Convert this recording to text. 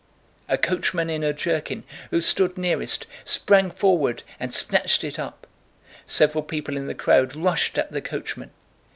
A coachman in a jerkin, who stood nearest, sprang forward and snatched it up. Several people in the crowd rushed at the coachman.